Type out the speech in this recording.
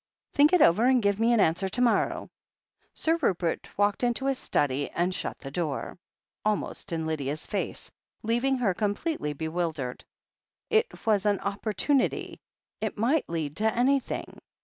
Think it over and give me an answer to morrow." Sir Rupert walked into his study and shut the door 248 THE HEEL OF ACHILLES almost in Lydia's face, leaving her completely be wildered. It was an opportunity — it might lead to anything!